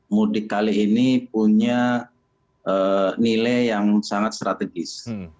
mudik kali ini punya nilai yang sangat strategis